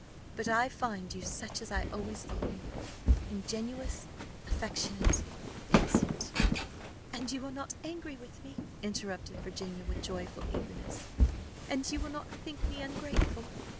But I find you such as I always thought you, ingenuous, affectionate, innocent." "And you are not angry with me?" interrupted Virginia, with joyful eagerness; "and you will not think me ungrateful?